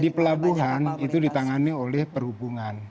di pelabuhan itu ditangani oleh perhubungan